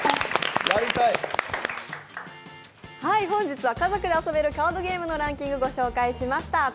本日は家族で遊べるカードゲームのランキングを御紹介しました。